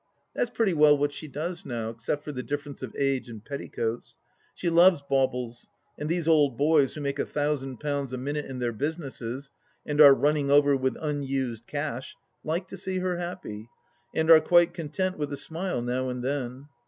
That's pretty well what she does now, except for the difference of age and petticoats. ... She loves baubles, and these old boys, who make a thousand pounds a minute in their businesses and are running over with unused cash, like to see her happy, and are quite content with a smile now and then.